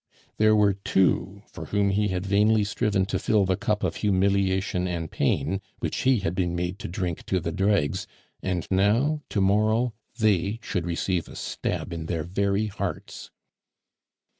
There were two for whom he had vainly striven to fill the cup of humiliation and pain which he had been made to drink to the dregs, and now to morrow they should receive a stab in their very hearts.